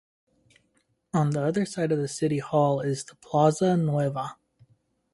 On the other side of the City Hall is the Plaza Nueva.